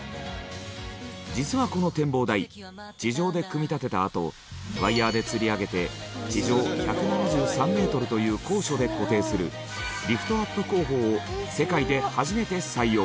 実はこの展望台地上で組み立てたあとワイヤでつり上げて地上１７３メートルという高所で固定するリフトアップ工法を世界で初めて採用。